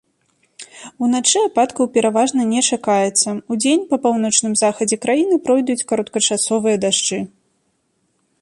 Уначы ападкаў пераважна не чакаецца, удзень па паўночным захадзе краіны пройдуць кароткачасовыя дажджы.